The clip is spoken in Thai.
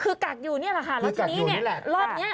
คือกากอยู่นี่แหละแล้วทีนี้รอบนี้